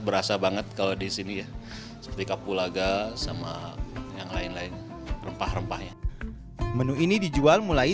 berasa banget kalau di sini ya seperti kapulaga sama yang lain lain rempah rempahnya menu ini dijual mulai